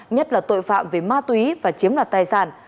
nhất là tội phạm về ma túy và chiếm đoạt tài sản